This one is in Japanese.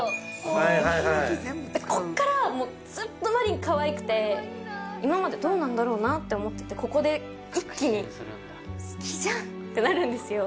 はいはいはいこっからもうずっと海夢かわいくて今までどうなんだろうなって思っててここで一気にてなるんですよ